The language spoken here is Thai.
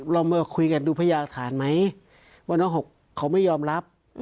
เรามาคุยกันดูพญาหลักฐานไหมว่าน้องหกเขาไม่ยอมรับ